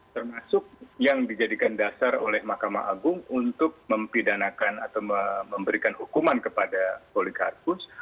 termasuk yang dijadikan dasar oleh mahkamah agung untuk mempidanakan atau memberikan hukuman kepada polikarpus